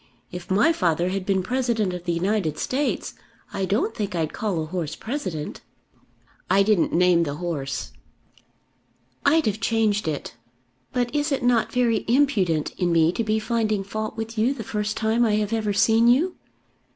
If my father had been President of the United States, I don't think I'd call a horse President." "I didn't name the horse." "I'd have changed it. But is it not very impudent in me to be finding fault with you the first time I have ever seen you?